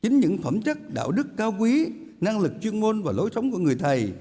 chính những phẩm chất đạo đức cao quý năng lực chuyên môn và lối sống của người thầy